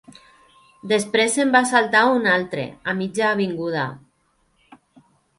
Després se'n va saltar un altre, a mitja avinguda.